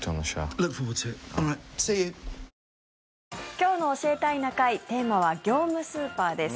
今日の「教えたいな会」テーマは業務スーパーです。